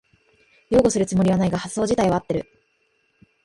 擁護するつもりはないが発想じたいは合ってる